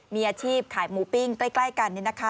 มีอาชีพขายหมูปิ้งใกล้กัน